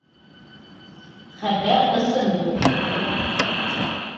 Хәбәр ысын булып сыҡты.